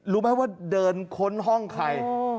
รู้ไหมว่าเดินค้นห้องใคร